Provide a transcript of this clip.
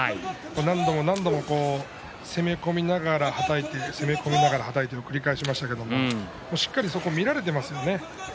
何度も何度も攻め込みながらはたいて攻め込みながらはたいてを繰り返しましたがしっかりそこを見られましたね。